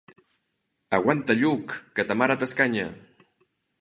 Aguanta, Lluc, que ta mare t'escanya.